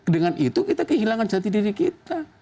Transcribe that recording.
dengan itu kita kehilangan jati diri kita